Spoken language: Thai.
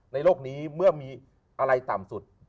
โลกนี้เมื่อมีอะไรต่ำสุด